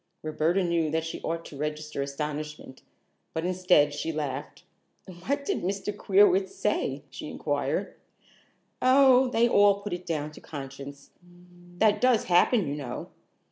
Roberta knew that she ought to register astonishment, but instead, she laughed. "What did Mr. Queerwitz say?" she inquired. "Oh, they all put it down to conscience. That does happen, you know.